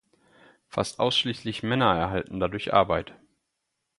Fast ausschließlich Männer erhalten dadurch Arbeit.